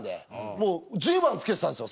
もう１０番つけてたんですよ